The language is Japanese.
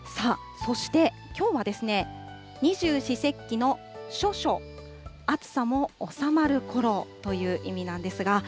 そしてきょうは、二十四節気の処暑、暑さもおさまるころという意味なんですが。